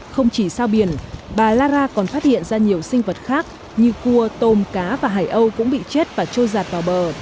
không chỉ sao biển bà lara còn phát hiện ra nhiều sinh vật khác như cua tôm cá và hải âu cũng bị chết và trôi giặt vào bờ